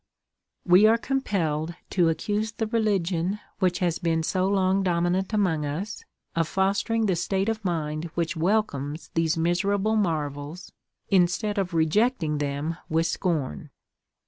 We are compelled to accuse the religion which has been so long dominant among us, of fostering the state of mind which welcomes these miserable marvels instead of rejecting them with scorn.